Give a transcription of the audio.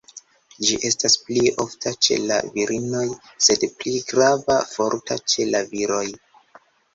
Ĝi estas pli ofta ĉe la virinoj, sed pli grava, forta ĉe la viroj.